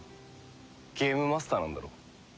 ゲームマスターなんだろ？